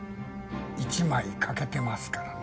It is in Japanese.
１枚欠けてますからね。